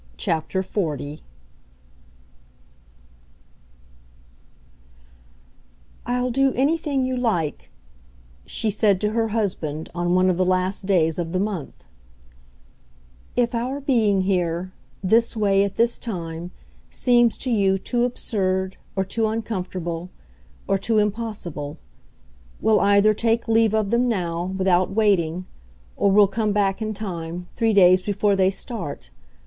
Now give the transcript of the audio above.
XL "I'll do anything you like," she said to her husband on one of the last days of the month, "if our being here, this way at this time, seems to you too absurd, or too uncomfortable, or too impossible. We'll either take leave of them now, without waiting or we'll come back in time, three days before they start.